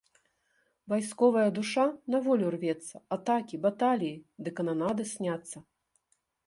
Вайсковая душа на волю рвецца, атакі, баталіі ды кананады сняцца.